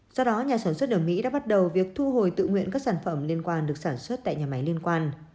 do đó nhà sản xuất ở mỹ đã bắt đầu việc thu hồi tự nguyện các sản phẩm liên quan được sản xuất tại nhà máy liên quan